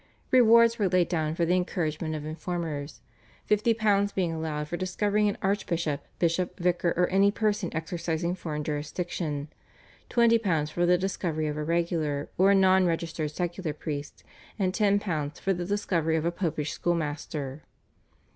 Rewards were laid down for the encouragement of informers, £50 being allowed for discovering an archbishop, bishop, vicar, or any person exercising foreign jurisdiction, £20 for the discovery of a regular or a non registered secular priest, and £10 for the discovery of a Popish schoolmaster.